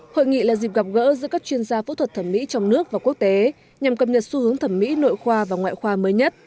hội nghị là dịp gặp gỡ giữa các chuyên gia phẫu thuật thẩm mỹ trong nước và quốc tế nhằm cập nhật xu hướng thẩm mỹ nội khoa và ngoại khoa mới nhất